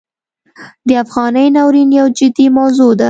د افغانۍ ناورین یو جدي موضوع ده.